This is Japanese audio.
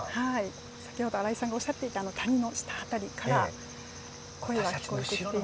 先程、新井さんがおっしゃっていた谷の下の辺りから声が聞こえてきました。